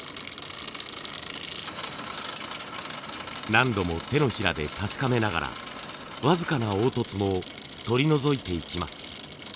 何度も手のひらで確かめながら僅かな凹凸も取り除いていきます。